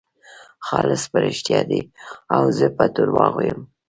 خالص په رښتیا دی او زه په درواغو یم.